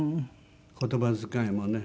言葉遣いもね。